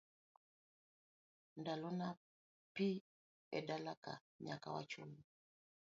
Nolorna pi edalaka nyaka wachul.